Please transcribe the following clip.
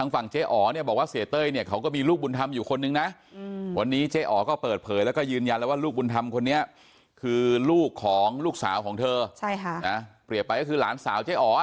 เปรียบไปก็คือหลานสาวเสียอ๋อ